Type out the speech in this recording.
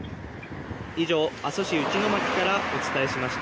以上、阿蘇市内牧からお伝えしました。